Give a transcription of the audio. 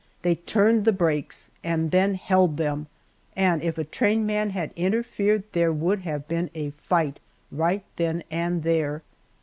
They turned the brakes and then held them, and if a train man had interfered there would have been a fight right then and there.